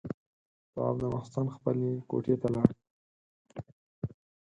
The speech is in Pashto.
تواب ماخستن خپلې کوټې ته لاړ.